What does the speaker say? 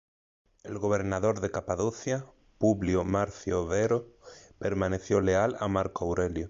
El gobernador de Capadocia, Publio Marcio Vero, permaneció leal a Marco Aurelio.